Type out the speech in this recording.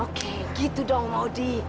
oke gitu dong modi